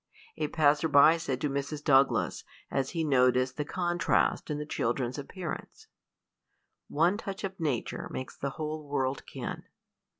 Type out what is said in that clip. A passer by said to Mrs. Douglas, as he noticed the contrast in the children's appearance, "'One touch of nature makes the whole world kin.'"